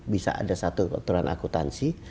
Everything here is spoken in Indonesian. bisa ada satu aturan akutansi